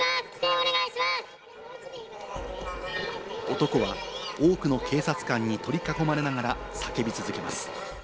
男は多くの警察官に取り囲まれながら叫び続けます。